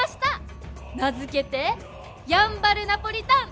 名付けてやんばるナポリタン！